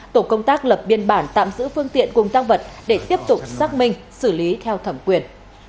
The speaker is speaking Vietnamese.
tổ công tác lập biên bản tạm giữ phương tiện cùng tăng vật để tiếp tục xác minh xử lý theo thẩm quyền